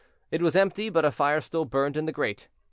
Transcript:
It was empty, but a fire still burned in the grate.